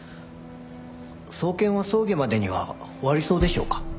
送検は葬儀までには終わりそうでしょうか？